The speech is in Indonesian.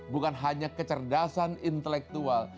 bukan hanya kecerdasan intelektual